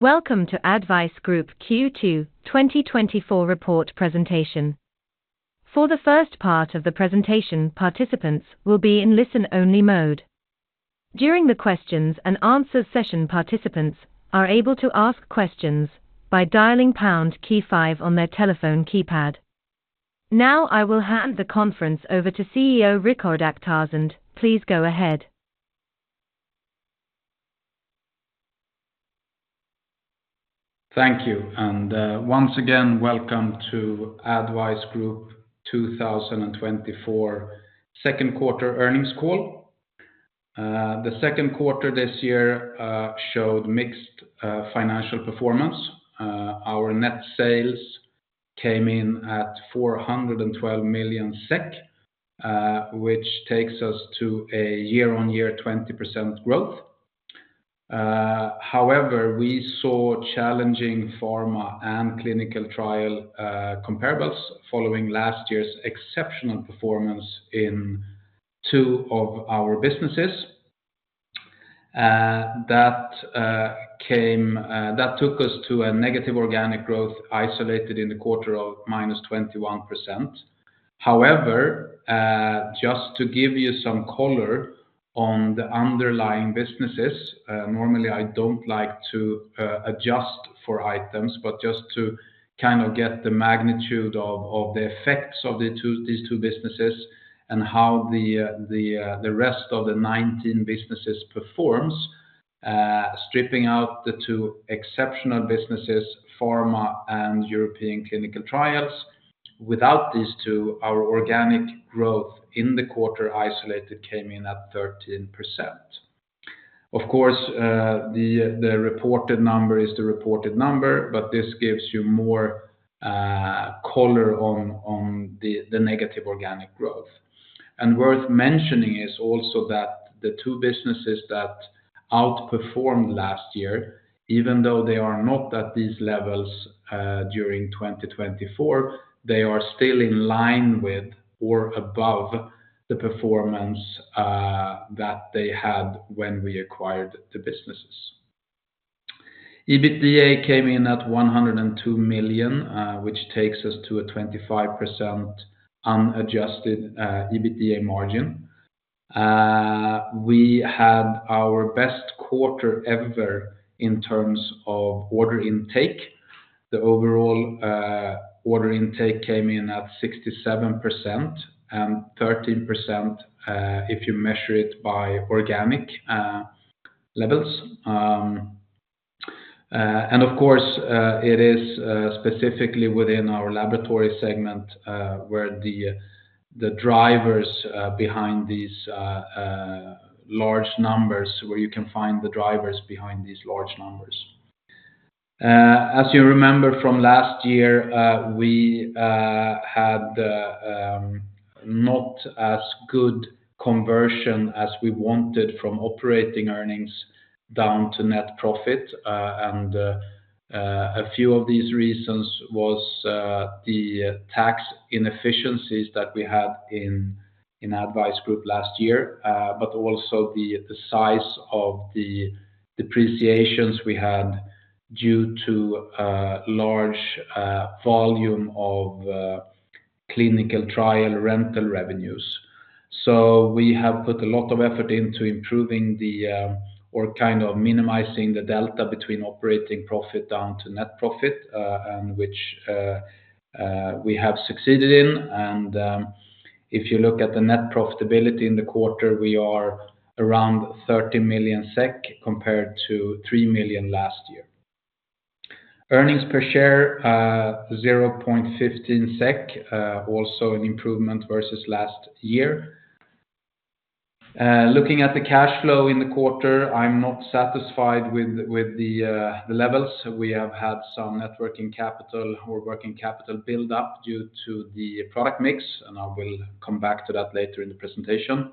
Welcome to ADDvise Group Q2 2024 report presentation. For the first part of the presentation, participants will be in listen-only mode. During the questions-and-answers session, participants are able to ask questions by dialing pound key five on their telephone keypad. Now, I will hand the conference over to CEO Rikard Akhtarzand. Please go ahead. Thank you. And once again, welcome to ADDvise Group 2024 second quarter earnings call. The second quarter this year showed mixed financial performance. Our net sales came in at 412 million SEK, which takes us to a year-on-year 20% growth. However, we saw challenging pharma and clinical trial comparables following last year's exceptional performance in two of our businesses. That took us to a negative organic growth, isolated in the quarter of -21%. However, just to give you some color on the underlying businesses, normally I don't like to adjust for items, but just to kind of get the magnitude of the effects of these two businesses and how the rest of the 19 businesses performs, stripping out the two exceptional businesses, pharma and European clinical trials. Without these two, our organic growth in the quarter isolated came in at 13%. Of course, the reported number is the reported number, but this gives you more color on the negative organic growth. And worth mentioning is also that the two businesses that outperformed last year, even though they are not at these levels during 2024, they are still in line with or above the performance that they had when we acquired the businesses. EBITDA came in at 102 million, which takes us to a 25% unadjusted EBITDA margin. We had our best quarter ever in terms of order intake. The overall order intake came in at 67% and 13%, if you measure it by organic levels. And of course, it is specifically within our laboratory segment, where the drivers behind these large numbers, where you can find the drivers behind these large numbers. As you remember from last year, we had not as good conversion as we wanted from operating earnings down to net profit. And, a few of these reasons was, the tax inefficiencies that we had in, in ADDvise Group last year, but also the, the size of the depreciations we had due to, large, volume of, clinical trial rental revenues. So we have put a lot of effort into improving the, or kind of minimizing the delta between operating profit down to net profit, and which, we have succeeded in. And, if you look at the net profitability in the quarter, we are around 30 million SEK compared to 3 million last year. Earnings per share, 0.15 SEK, also an improvement versus last year. Looking at the cash flow in the quarter, I'm not satisfied with, with the, the levels. We have had some working capital build up due to the product mix, and I will come back to that later in the presentation.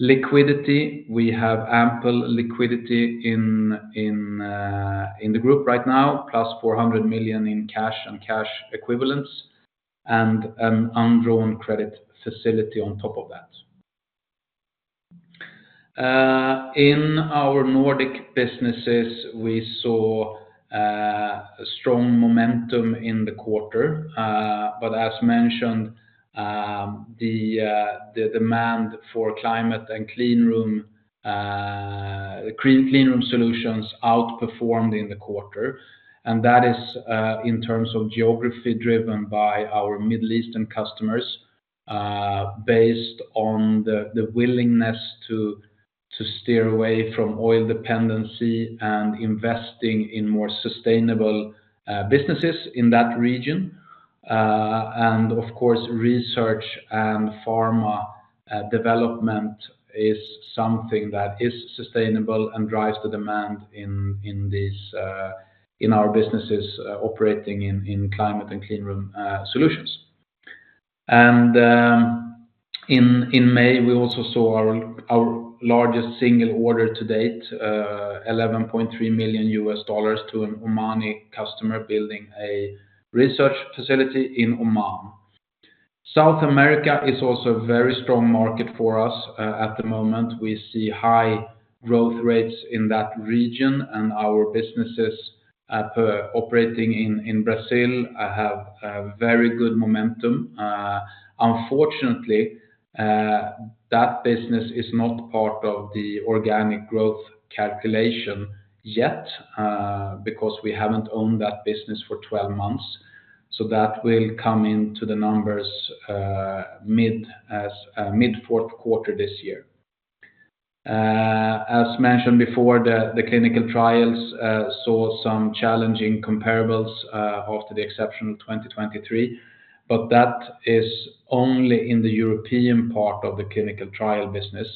Liquidity, we have ample liquidity in the group right now, plus 400 million in cash and cash equivalents, and an undrawn credit facility on top of that. In our Nordic businesses, we saw strong momentum in the quarter, but as mentioned, the demand for climate and clean room solutions outperformed in the quarter. And that is, in terms of geography, driven by our Middle Eastern customers, based on the willingness to steer away from oil dependency and investing in more sustainable businesses in that region. And of course, research and pharma development is something that is sustainable and drives the demand in these, in our businesses operating in climate and clean room solutions. In May, we also saw our largest single order to date, $11.3 million to an Omani customer building a research facility in Oman. South America is also a very strong market for us at the moment. We see high growth rates in that region, and our businesses operating in Brazil have a very good momentum. Unfortunately, that business is not part of the organic growth calculation yet, because we haven't owned that business for 12 months. So that will come into the numbers mid fourth quarter this year. As mentioned before, the clinical trials saw some challenging comparables after the exceptional 2023, but that is only in the European part of the clinical trial business.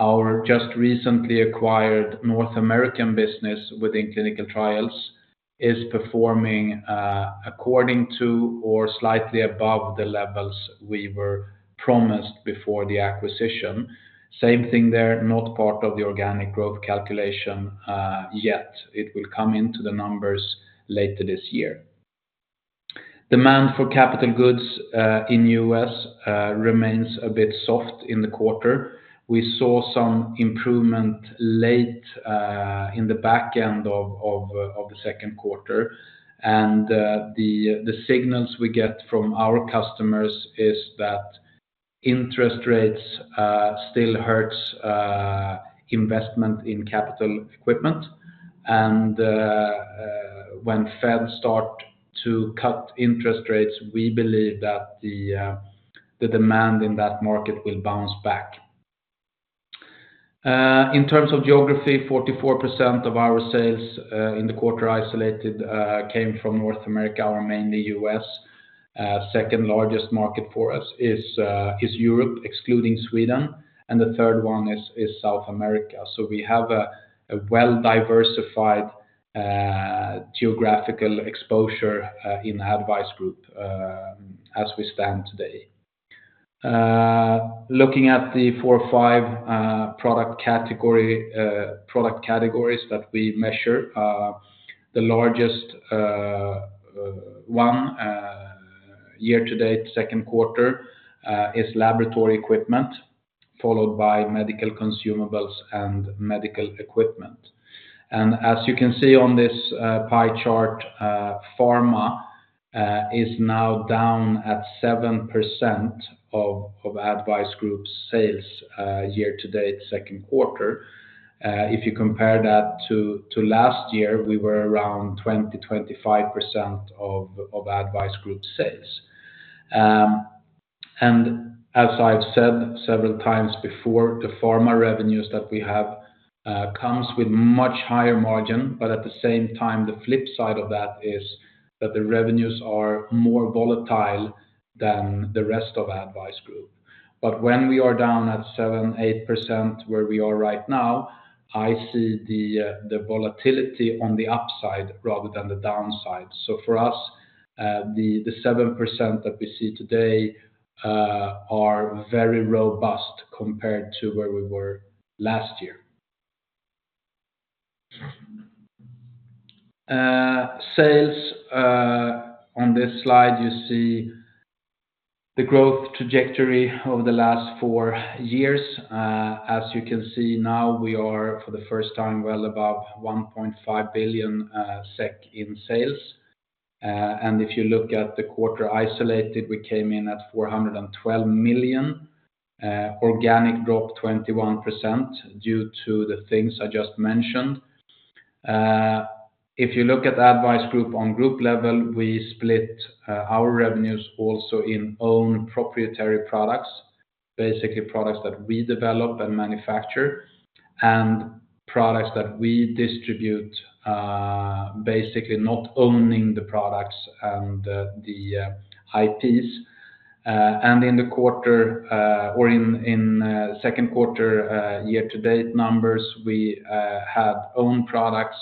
Our just recently acquired North American business within clinical trials is performing according to or slightly above the levels we were promised before the acquisition. Same thing there, not part of the organic growth calculation yet. It will come into the numbers later this year. Demand for capital goods in U.S. remains a bit soft in the quarter. We saw some improvement late in the back end of the second quarter. The signals we get from our customers is that interest rates still hurts investment in capital equipment. When Fed start to cut interest rates, we believe that the demand in that market will bounce back. In terms of geography, 44% of our sales in the quarter isolated came from North America or mainly US. Second largest market for us is Europe, excluding Sweden, and the third one is South America. So we have a well-diversified geographical exposure in ADDvise Group as we stand today. Looking at the 4 or 5 product category, product categories that we measure, the largest one year to date, second quarter, is laboratory equipment, followed by medical consumables and medical equipment. And as you can see on this, pie chart, pharma is now down at 7% of ADDvise Group's sales, year to date, second quarter. If you compare that to last year, we were around 20%-25% of ADDvise Group sales. And as I've said several times before, the pharma revenues that we have comes with much higher margin, but at the same time, the flip side of that is that the revenues are more volatile than the rest of ADDvise Group. But when we are down at 7%-8%, where we are right now, I see the volatility on the upside rather than the downside. So for us, the seven percent that we see today are very robust compared to where we were last year. Sales, on this slide, you see the growth trajectory over the last four years. As you can see, now, we are, for the first time, well above 1.5 billion SEK in sales. If you look at the quarter isolated, we came in at 412 million, organic drop 21% due to the things I just mentioned. If you look at ADDvise Group on group level, we split our revenues also in own proprietary products, basically products that we develop and manufacture, and products that we distribute, basically not owning the products and the IPs. In the quarter or in second quarter year-to-date numbers, we have own products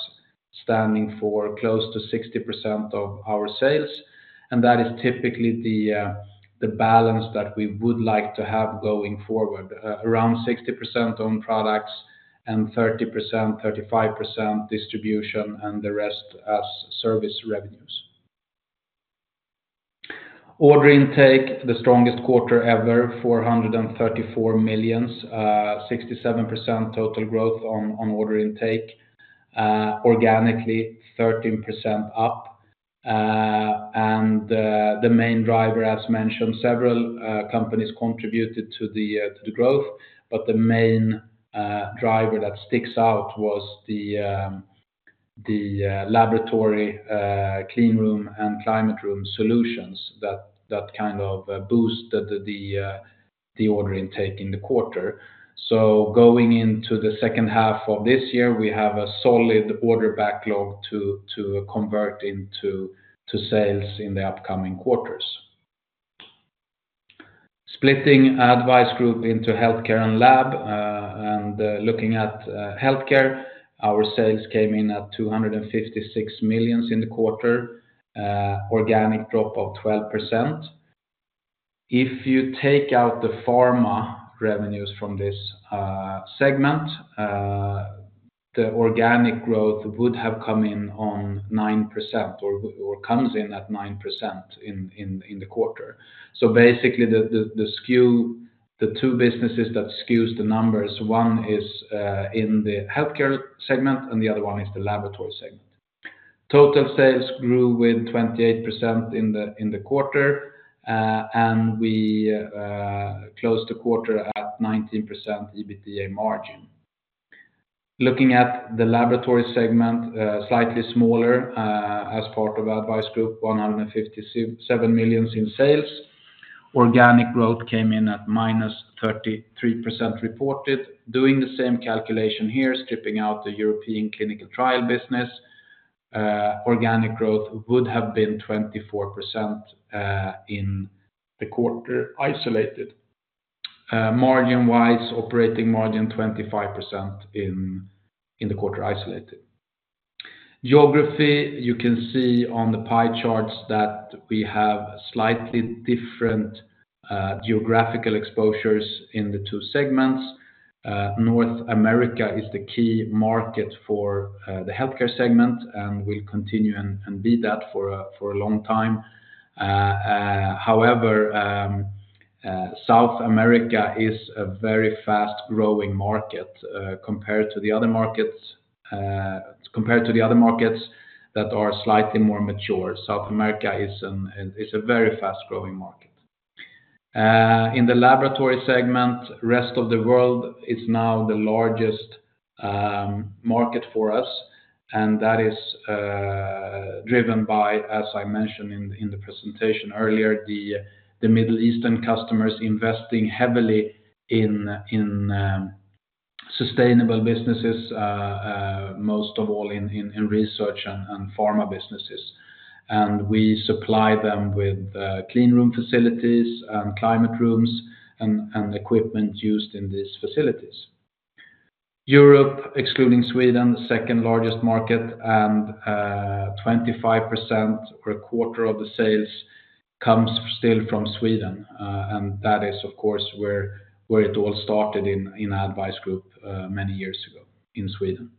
standing for close to 60% of our sales, and that is typically the balance that we would like to have going forward, around 60% own products and 30%-35% distribution, and the rest as service revenues. Order intake, the strongest quarter ever, 434 million, 67% total growth on order intake, organically 13% up. And the main driver, as mentioned, several companies contributed to the growth, but the main driver that sticks out was the laboratory clean room and climate room solutions that kind of boosted the order intake in the quarter. So going into the second half of this year, we have a solid order backlog to convert into sales in the upcoming quarters. Splitting ADDvise Group into healthcare and lab, and looking at healthcare, our sales came in at 256 million in the quarter, organic drop of 12%. If you take out the pharma revenues from this segment, the organic growth would have come in on 9% or comes in at 9% in the quarter. So basically, the skew, the two businesses that skews the numbers, one is in the healthcare segment and the other one is the laboratory segment. Total sales grew with 28% in the quarter, and we closed the quarter at 19% EBITDA margin. Looking at the laboratory segment, slightly smaller, as part of ADDvise Group, 157 million in sales. Organic growth came in at minus 33% reported. Doing the same calculation here, stripping out the European clinical trial business, organic growth would have been 24%, in the quarter, isolated. Margin-wise, operating margin 25% in the quarter isolated. Geography, you can see on the pie charts that we have slightly different geographical exposures in the two segments. North America is the key market for the healthcare segment, and will continue and be that for a long time. However, South America is a very fast-growing market, compared to the other markets, compared to the other markets that are slightly more mature. South America is a very fast-growing market. In the laboratory segment, rest of the world is now the largest market for us, and that is driven by, as I mentioned in the presentation earlier, the Middle Eastern customers investing heavily in sustainable businesses, most of all in research and pharma businesses. And we supply them with clean room facilities and climate rooms and equipment used in these facilities. Europe, excluding Sweden, the second largest market, and 25% or a quarter of the sales comes still from Sweden. And that is, of course, where it all started in ADDvise Group many years ago in Sweden.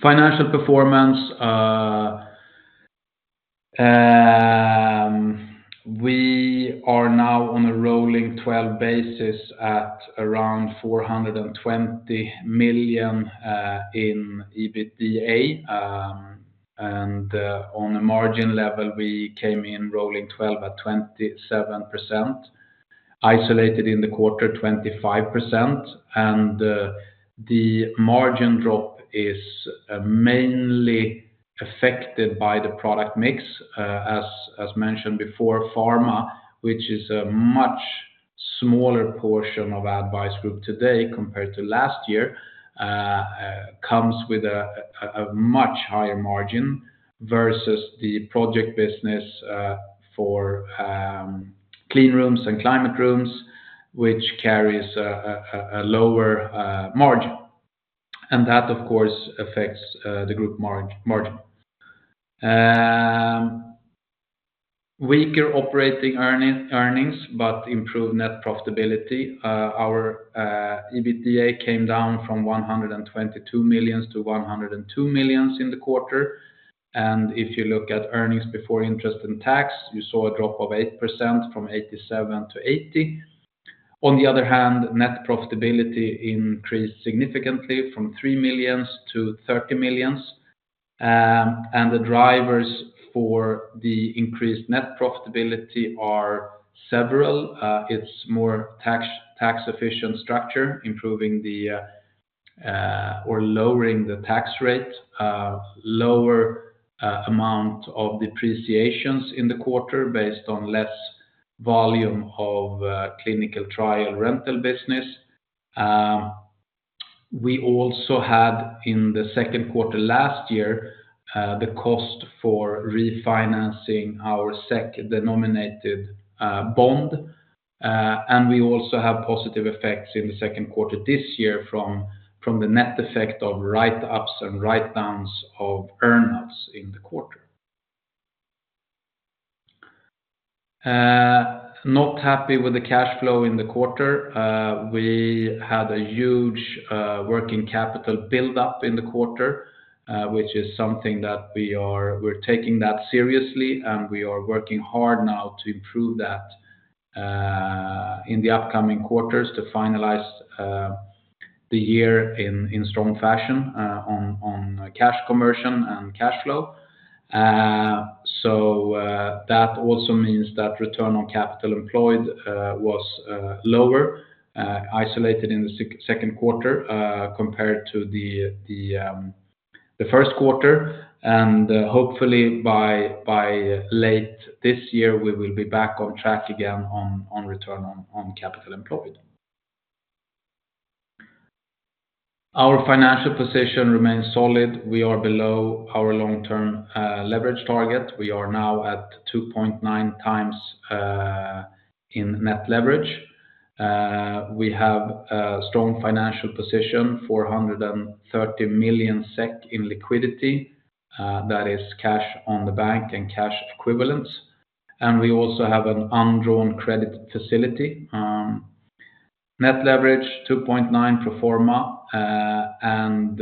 Financial performance, we are now on a rolling twelve basis at around 420 million in EBITDA. On a margin level, we came in rolling 12 at 27%, isolated in the quarter, 25%. The margin drop is mainly affected by the product mix. As mentioned before, pharma, which is a much smaller portion of ADDvise Group today compared to last year, comes with a much higher margin versus the project business for clean rooms and climate rooms, which carries a lower margin. And that, of course, affects the group margin. Weaker operating earnings, but improved net profitability. Our EBITDA came down from 122 million-102 million in the quarter. If you look at earnings before interest and tax, you saw a drop of 8% from 87 million-80 million. On the other hand, net profitability increased significantly from 3 million-30 million. The drivers for the increased net profitability are several. It's more tax efficient structure, improving the, or lowering the tax rate, lower amount of depreciations in the quarter based on less volume of clinical trial rental business. We also had, in the second quarter last year, the cost for refinancing our SEK-denominated bond. And we also have positive effects in the second quarter this year from the net effect of write-ups and write-downs of earn outs in the quarter. Not happy with the cash flow in the quarter. We had a huge, working capital buildup in the quarter, which is something that we're taking that seriously, and we are working hard now to improve that, in the upcoming quarters to finalize, the year in, in strong fashion, on, on cash conversion and cash flow. That also means that return on capital employed, was, lower, isolated in the second quarter, compared to the first quarter. Hopefully by late this year, we will be back on track again on, on return on, on capital employed. Our financial position remains solid. We are below our long-term, leverage target. We are now at 2.9 times in net leverage. We have a strong financial position, 430 million SEK in liquidity, that is cash in the bank and cash equivalents... and we also have an undrawn credit facility. Net leverage 2.9 pro forma, and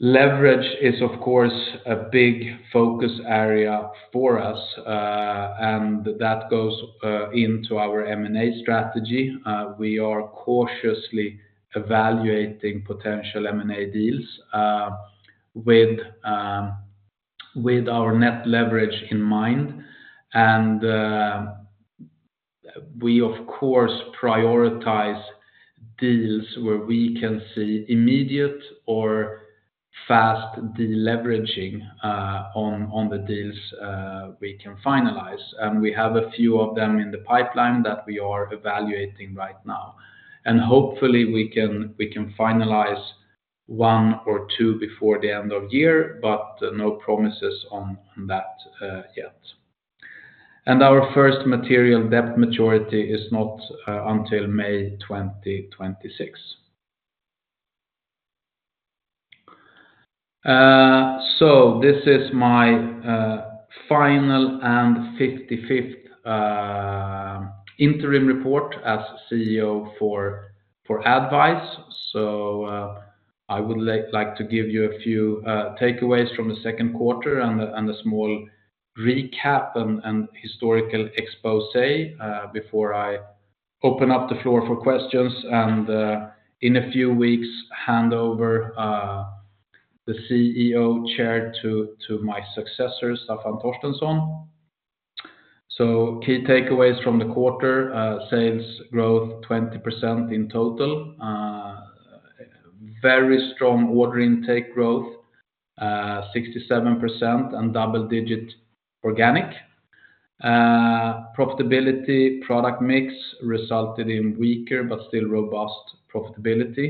leverage is, of course, a big focus area for us, and that goes into our M&A strategy. We are cautiously evaluating potential M&A deals, with our net leverage in mind. And we, of course, prioritize deals where we can see immediate or fast deleveraging on the deals we can finalize. And we have a few of them in the pipeline that we are evaluating right now. And hopefully we can finalize one or two before the end of year, but no promises on that yet. Our first material debt maturity is not until May 2026. So this is my final and 55th interim report as CEO for ADDvise. So I would like to give you a few takeaways from the second quarter and a small recap and historical exposé before I open up the floor for questions, and in a few weeks, hand over the CEO chair to my successor, Staffan Torstensson. So key takeaways from the quarter, sales growth 20% in total. Very strong order intake growth, 67% and double-digit organic. Profitability, product mix resulted in weaker but still robust profitability.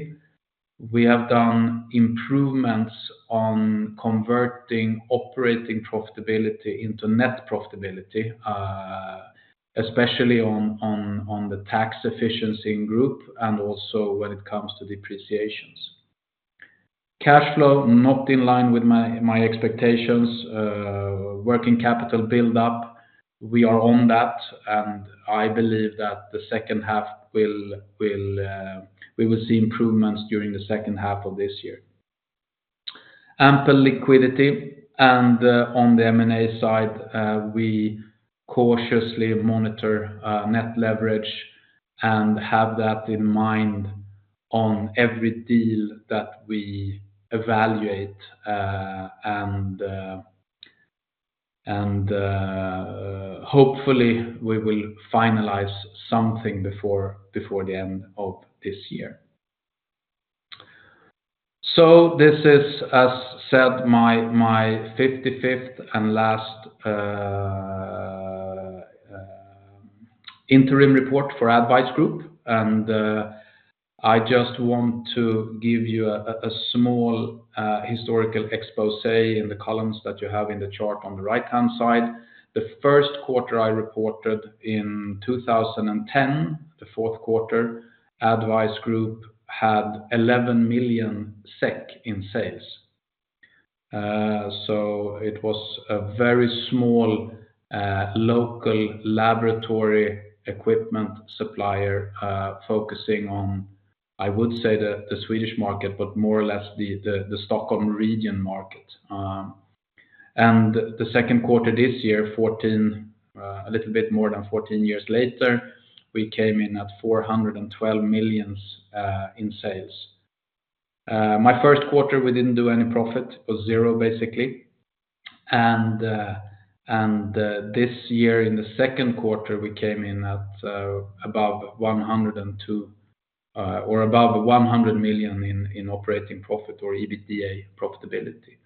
We have done improvements on converting operating profitability into net profitability, especially on the tax efficiency in group and also when it comes to depreciations. Cash flow not in line with my expectations. Working capital build-up, we are on that, and I believe that the second half will see improvements during the second half of this year. Ample liquidity, and on the M&A side, we cautiously monitor net leverage and have that in mind on every deal that we evaluate, and hopefully, we will finalize something before the end of this year. So this is, as said, my 55th and last interim report for ADDvise Group, and I just want to give you a small historical exposé in the columns that you have in the chart on the right-hand side. The first quarter I reported in 2010, the fourth quarter, ADDvise Group had 11 million SEK in sales. So it was a very small, local laboratory equipment supplier, focusing on, I would say, the Swedish market, but more or less the Stockholm region market. And the second quarter this year, 14, a little bit more than 14 years later, we came in at 412 million in sales. My first quarter, we didn't do any profit, it was zero, basically. And this year, in the second quarter, we came in at above 102 or above 100 million in operating profit or EBITDA profitability.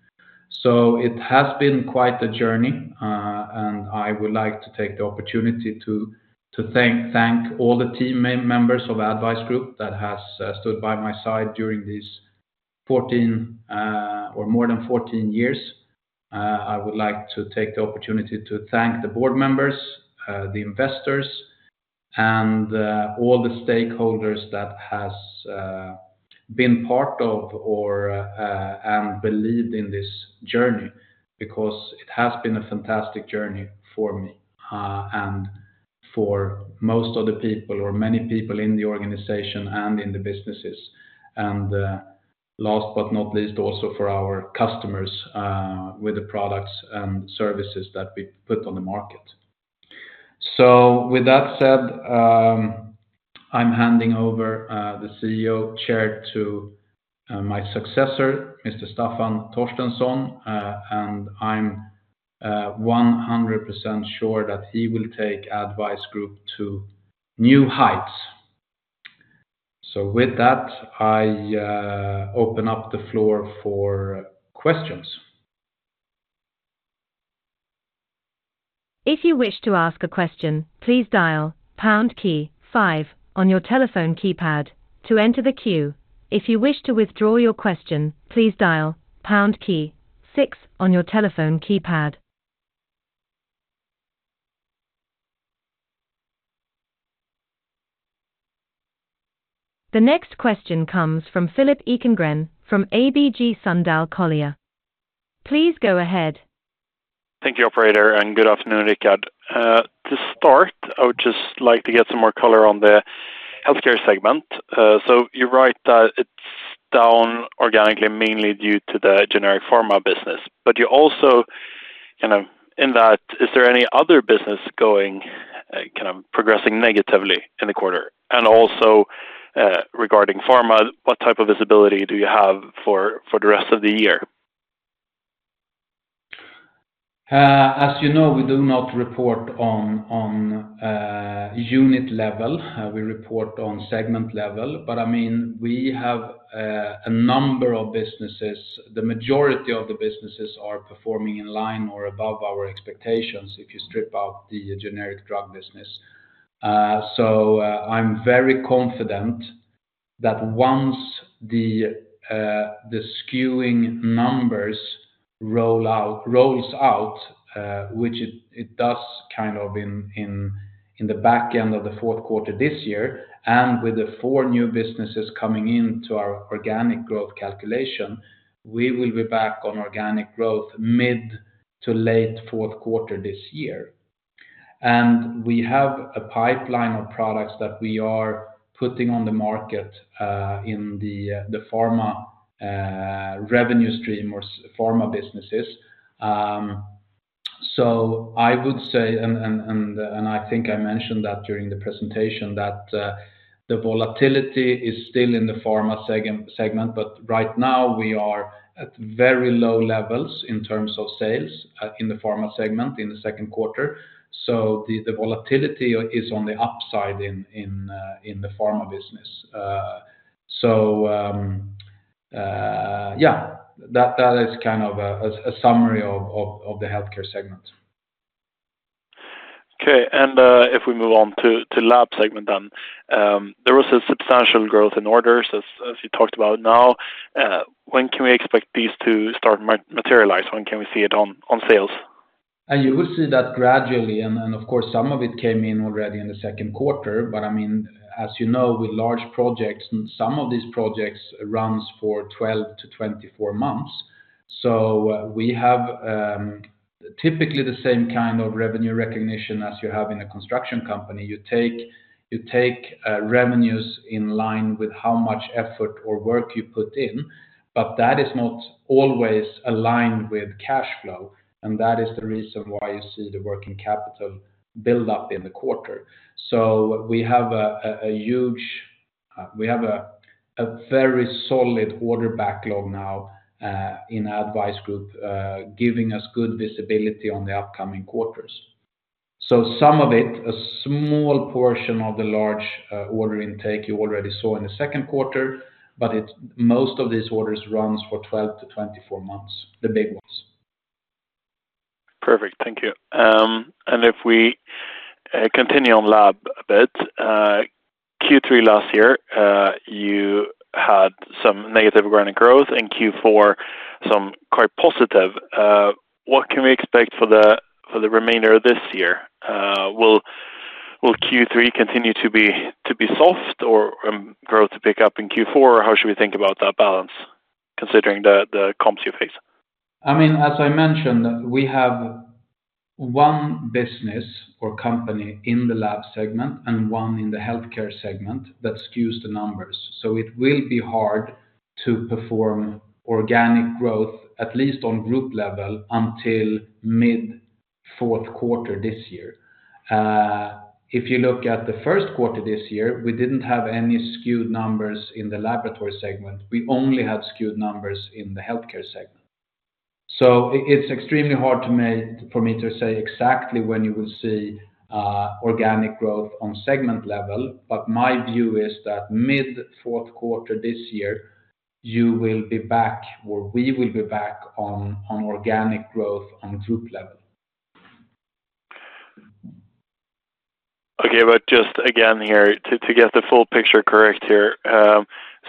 So it has been quite a journey, and I would like to take the opportunity to thank all the team members of ADDvise Group that has stood by my side during these 14 years or more than 14 years. I would like to take the opportunity to thank the board members, the investors, and all the stakeholders that has been part of or believed in this journey, because it has been a fantastic journey for me, and for most of the people or many people in the organization and in the businesses. And last but not least, also for our customers with the products and services that we put on the market. So with that said, I'm handing over the CEO chair to my successor, Mr. Staffan Torstensson, and I'm 100% sure that he will take ADDvise Group to new heights. So with that, I open up the floor for questions. If you wish to ask a question, please dial pound key five on your telephone keypad to enter the queue. If you wish to withdraw your question, please dial pound key six on your telephone keypad. The next question comes from Philip Ekengren, from ABG Sundal Collier. Please go ahead. Thank you, operator, and good afternoon, Rikard. To start, I would just like to get some more color on the healthcare segment. So you're right that it's down organically, mainly due to the generic pharma business, but you also, you know, in that, is there any other business going, kind of progressing negatively in the quarter? And also, regarding pharma, what type of visibility do you have for the rest of the year? As you know, we do not report on unit level. We report on segment level, but I mean, we have a number of businesses. The majority of the businesses are performing in line or above our expectations, if you strip out the generic drug business. So, I'm very confident that once the skewing numbers rolls out, which it does kind of in the back end of the fourth quarter this year, and with the four new businesses coming into our organic growth calculation, we will be back on organic growth mid to late fourth quarter this year. And we have a pipeline of products that we are putting on the market in the pharma revenue stream or pharma businesses. So I would say, and I think I mentioned that during the presentation, that the volatility is still in the pharma segment, but right now we are at very low levels in terms of sales in the pharma segment in the second quarter. So the volatility is on the upside in the pharma business. Yeah, that is kind of a summary of the healthcare segment. Okay. And if we move on to the lab segment, then. There was a substantial growth in orders, as you talked about now, when can we expect these to start materialize? When can we see it on sales? You will see that gradually, and of course, some of it came in already in the second quarter. But I mean, as you know, with large projects, and some of these projects runs for 12-24 months. So we have typically the same kind of revenue recognition as you have in a construction company. You take revenues in line with how much effort or work you put in, but that is not always aligned with cash flow, and that is the reason why you see the working capital build up in the quarter. So we have a very solid order backlog now in ADDvise Group, giving us good visibility on the upcoming quarters. So some of it, a small portion of the large order intake you already saw in the second quarter, but it's most of these orders runs for 12-24 months, the big ones. Perfect. Thank you. If we continue on lab a bit, Q3 last year you had some negative organic growth, in Q4, some quite positive. What can we expect for the remainder of this year? Will Q3 continue to be soft or growth to pick up in Q4? Or how should we think about that balance considering the comps you face? I mean, as I mentioned, we have one business or company in the lab segment and one in the healthcare segment that skews the numbers. So it will be hard to perform organic growth, at least on group level, until mid fourth quarter this year. If you look at the first quarter this year, we didn't have any skewed numbers in the laboratory segment. We only had skewed numbers in the healthcare segment. So it's extremely hard for me to say exactly when you will see organic growth on segment level, but my view is that mid fourth quarter this year, you will be back, or we will be back on organic growth on group level. Okay. But just again, here, to get the full picture correct here.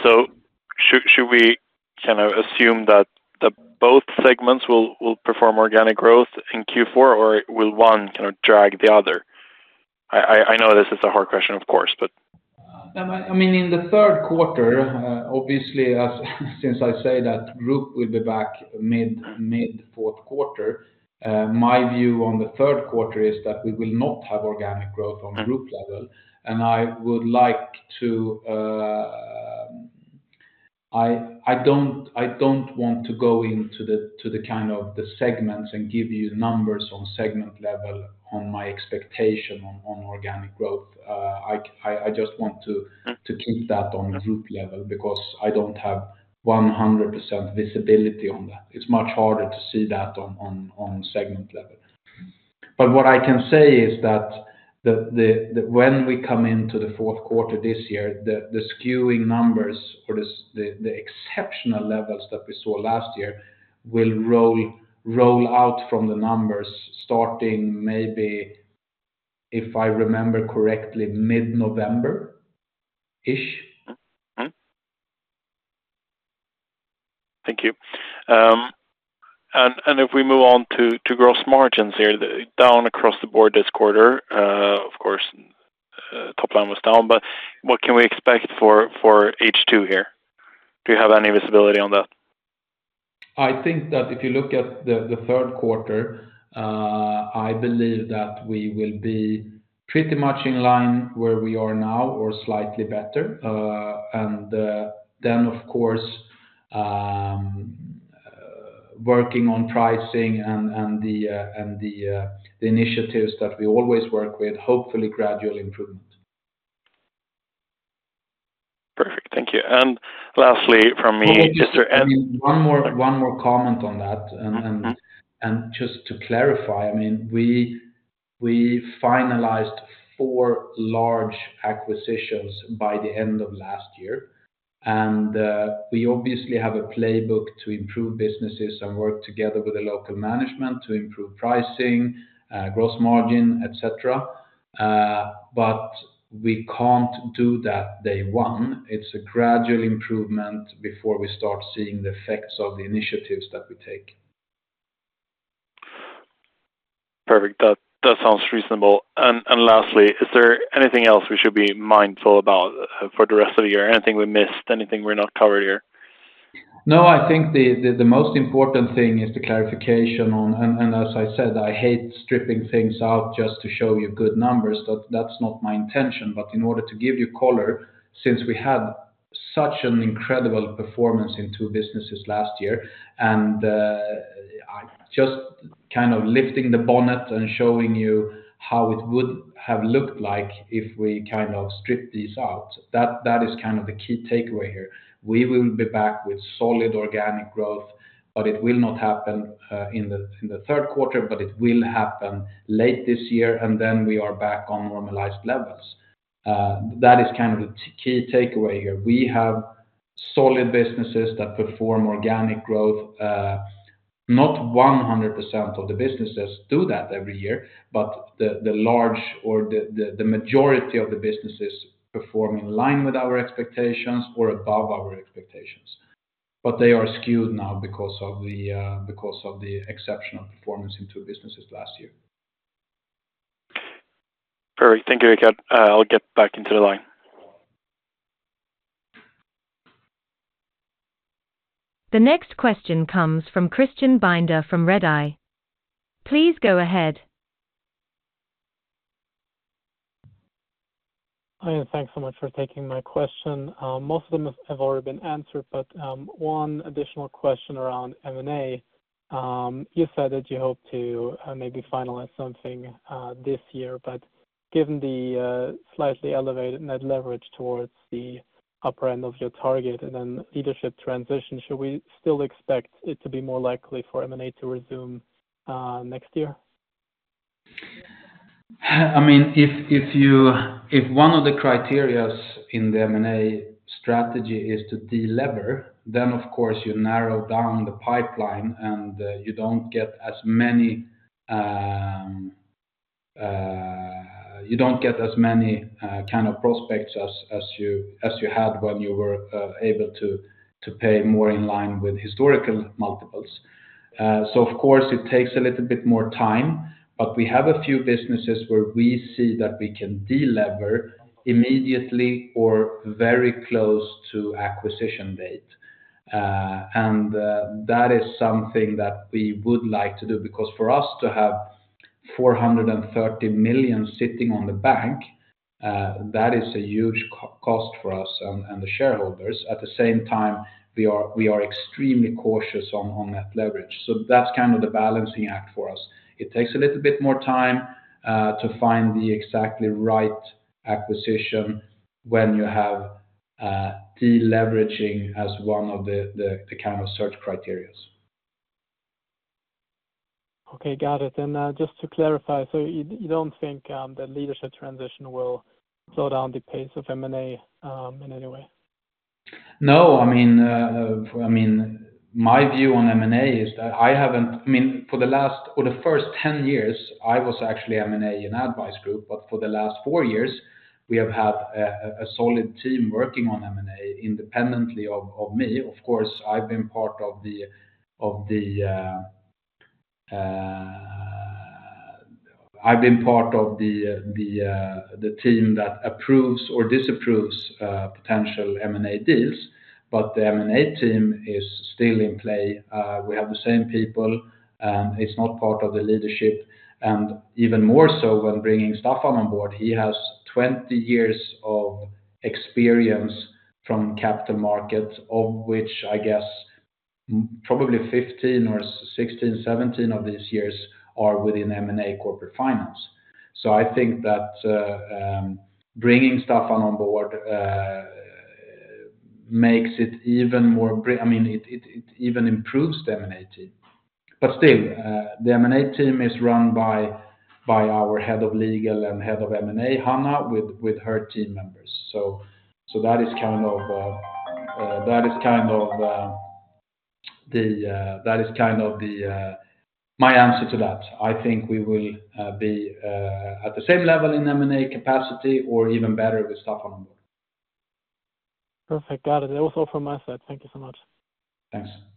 So should we kind of assume that the both segments will perform organic growth in Q4, or will one kind of drag the other? I know this is a hard question, of course, but- I mean, in the third quarter, obviously, since I say that group will be back mid fourth quarter, my view on the third quarter is that we will not have organic growth on group level. I would like to. I don't want to go into the kind of segments and give you numbers on segment level, on my expectation on organic growth. I just want to-... to keep that on group level because I don't have 100% visibility on that. It's much harder to see that on segment level. But what I can say is that when we come into the fourth quarter this year, the skewing numbers or the exceptional levels that we saw last year will roll out from the numbers starting maybe, if I remember correctly, mid-November-ish. Thank you. And if we move on to gross margins here, down across the board this quarter, of course, top line was down, but what can we expect for H2 here? Do you have any visibility on that? I think that if you look at the third quarter, I believe that we will be pretty much in line where we are now or slightly better. And then, of course, working on pricing and the initiatives that we always work with, hopefully gradual improvement. Perfect. Thank you. And lastly, from me, just to- One more, one more comment on that. Just to clarify, I mean, we finalized four large acquisitions by the end of last year, and we obviously have a playbook to improve businesses and work together with the local management to improve pricing, gross margin, et cetera. But we can't do that day one. It's a gradual improvement before we start seeing the effects of the initiatives that we take. Perfect. That sounds reasonable. And lastly, is there anything else we should be mindful about for the rest of the year? Anything we missed? Anything we're not covered here? No, I think the most important thing is the clarification on... and, as I said, I hate stripping things out just to show you good numbers. That's not my intention. But in order to give you color, since we had such an incredible performance in two businesses last year, and I just kind of lifting the bonnet and showing you how it would have looked like if we kind of stripped these out, that is kind of the key takeaway here. We will be back with solid organic growth, but it will not happen in the third quarter, but it will happen late this year, and then we are back on normalized levels. That is kind of the key takeaway here. We have solid businesses that perform organic growth. Not 100% of the businesses do that every year, but the large or the majority of the businesses perform in line with our expectations or above our expectations. But they are skewed now because of the exceptional performance in two businesses last year. Perfect. Thank you, Rikard. I'll get back into the line. The next question comes from Christian Binder from Redeye. Please go ahead. Hi, and thanks so much for taking my question. Most of them have already been answered, but one additional question around M&A. You said that you hope to maybe finalize something this year, but given the slightly elevated net leverage towards the upper end of your target and then leadership transition, should we still expect it to be more likely for M&A to resume next year? I mean, if one of the criteria in the M&A strategy is to delever, then of course you narrow down the pipeline, and you don't get as many kind of prospects as you had when you were able to pay more in line with historical multiples. So of course, it takes a little bit more time, but we have a few businesses where we see that we can delever immediately or very close to acquisition date. And that is something that we would like to do, because for us to have 430 million sitting on the bank, that is a huge cost for us and the shareholders. At the same time, we are extremely cautious on that leverage. So that's kind of the balancing act for us. It takes a little bit more time to find the exactly right acquisition when you have deleveraging as one of the kind of search criteria. Okay. Got it. And just to clarify, so you don't think the leadership transition will slow down the pace of M&A in any way? No. I mean, I mean, my view on M&A is that I haven't... I mean, for the last or the first 10 years, I was actually M&A in ADDvise Group, but for the last four years, we have had a solid team working on M&A independently of me. Of course, I've been part of the team that approves or disapproves potential M&A deals, but the M&A team is still in play. We have the same people, and it's not part of the leadership. And even more so when bringing Staffan on board, he has 20 years of experience from capital markets, of which, I guess, probably 15 or 16, 17 of these years are within M&A corporate finance. So I think that, bringing Staffan on board, makes it even more—I mean, it even improves the M&A team. But still, the M&A team is run by our head of legal and head of M&A, Hanna, with her team members. So that is kind of my answer to that. I think we will be at the same level in M&A capacity or even better with Staffan on board. Perfect. Got it. That was all from my side. Thank you so much. Thanks.